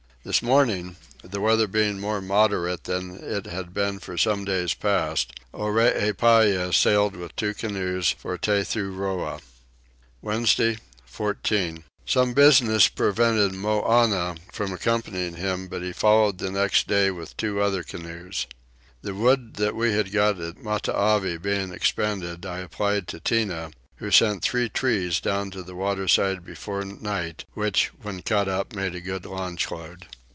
This morning, the weather being more moderate than it had been for some days past, Oreepyah sailed with two canoes for Tethuroa. Wednesday 14. Some business prevented Moannah from accompanying him but he followed the next day with two other canoes. The wood that we had got at Matavai being expended I applied to Tinah, who sent three trees down to the waterside before night, which when cut up made a good launch load.